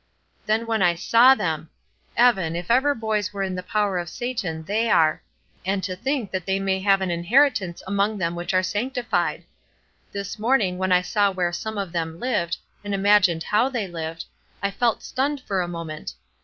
Then when I saw them! Evan, if ever boys were in the power of Satan they are; and to think that they may have an inheritance among them which are sanctified! This morning when I saw where some some of them lived, and imagined how they lived, I fell stunned for a moment.